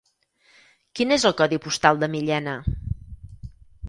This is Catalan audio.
Quin és el codi postal de Millena?